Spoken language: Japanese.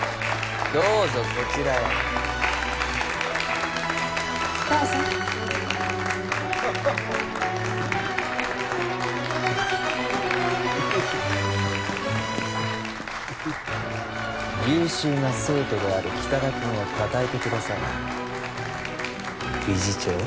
どうぞこちらへどうぞ優秀な生徒である北田くんをたたえてください理事長